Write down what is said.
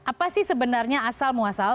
apa sih sebenarnya asal muasal